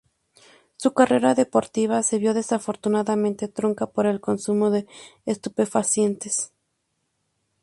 Su carrera deportiva se vio desafortunadamente truncada por el consumo de estupefacientes.